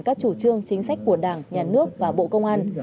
các chủ trương chính sách của đảng nhà nước và bộ công an